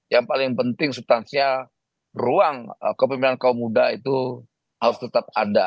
yang paling penting subtansinya ruang kepemimpinan kaum muda itu harus tetap ada